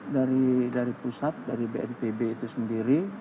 ada kita bantuan dari pusat dari bnpb itu sendiri